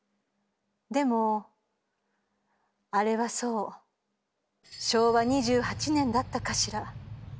でもあれはそう昭和２８年だったかしら。